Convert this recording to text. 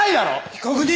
被告人！